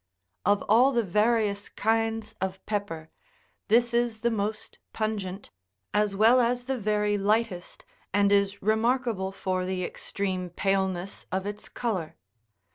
Of all the various kinds of pepper, this is the most pungent, as well as the very lightest, and is remarkable for the extreme paleness of its colour.